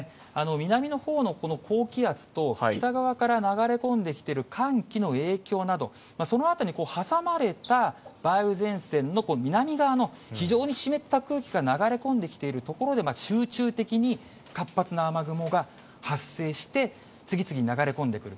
南のほうのこの高気圧と、北側から流れ込んできている寒気の影響など、その辺りに挟まれた梅雨前線の南側の非常に湿った空気が流れ込んできている所で、集中的に活発な雨雲が発生して、次々に流れ込んでくる。